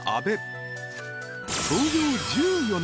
［創業１４年］